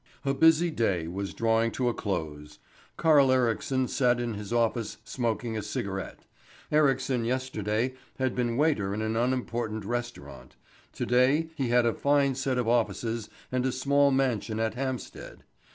A busy day was drawing to a close. Carl Ericsson sat in his office smoking a cigarette. Ericsson yesterday had been waiter in an unimportant restaurant. To day he had a fine set of offices and a small mansion at Hampstead.